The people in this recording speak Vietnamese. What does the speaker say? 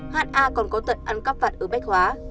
ha a còn có tận ăn cắp vặt ở bách hóa